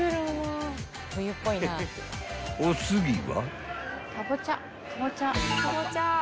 ［お次は］